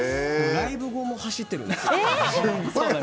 ライブ後も走ってるんです。